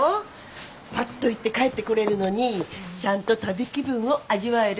パッと行って帰ってこれるのにちゃんと旅気分を味わえる。